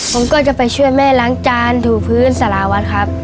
ผมก็จะไปช่วยแม่ล้างจานถูพื้นสาราวัดครับ